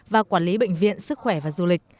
và quản lý bệnh viện sức khỏe và du lịch